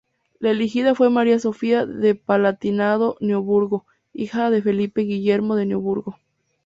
La elegida fue María Sofía de Palatinado-Neoburgo, hija de Felipe Guillermo de Neoburgo.